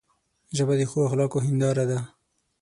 ژبه د ښو اخلاقو هنداره ده